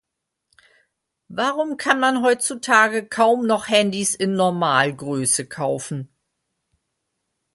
Warum kann man heutzutage kaum noch Handys in Normalgröße kaufen?